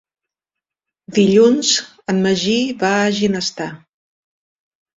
Dilluns en Magí va a Ginestar.